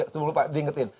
sebelum pak diingetin